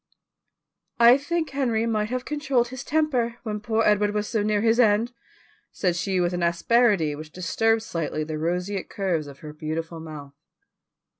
"I think Henry might have controlled his temper, when poor Edward was so near his end," said she with an asperity which disturbed slightly the roseate curves of her beautiful mouth.